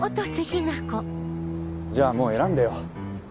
じゃあもう選んでよ。